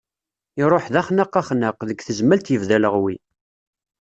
Iruḥ d axnaq axnaq, deg Tezmalt yebda aleɣwi.